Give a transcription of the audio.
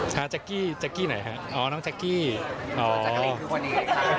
อย่าไปตามพี่เกรทดีกว่าค้า